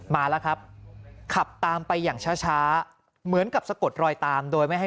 มาแล้วครับขับตามไปอย่างช้าเหมือนกับสะกดรอยตามโดยไม่ให้